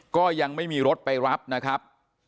ก็ยังไม่มีรถไปรับนะครับ